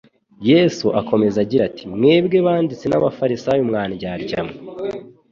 Yesu akomeza agira ati; " Mwebwe banditsi n'abafarisayo mwa ndyarya mwe,